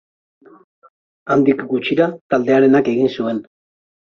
Handik gutxira, taldearenak egin zuen.